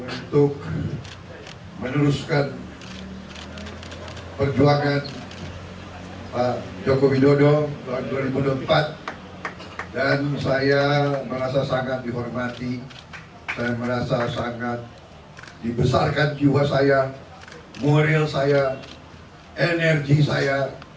untuk meneruskan perjuangan jokowi dodo tahun dua ribu empat dan saya merasa sangat dihormati saya merasa sangat dibesarkan jiwa saya moral saya energi saya